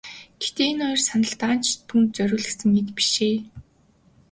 Гэхдээ энэ хоёр сандал даанч түүнд зориулагдсан эд биш ээ.